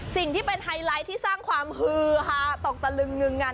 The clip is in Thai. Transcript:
สิ่งที่เป็นไฮไลท์ที่สร้างความฮือฮาตกตะลึงงึงงัน